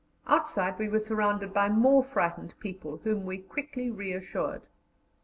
Outside we were surrounded by more frightened people, whom we quickly reassured.